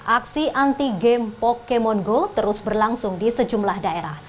aksi anti game pokemon go terus berlangsung di sejumlah daerah